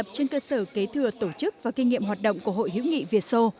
trên cơ sở kế thừa tổ chức và kinh nghiệm hoạt động của hội hữu nghị việt sô